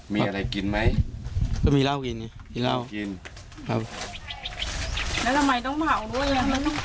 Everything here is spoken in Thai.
มีอะไรกินไหมก็มีเหล้ากินไงกินเหล้ากินครับแล้วทำไมต้องเผาด้วยยังไง